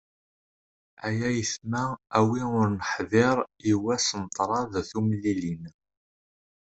Ay ayetma a wi ur nḥḍir, i wass n ṭṭrad tumlilin.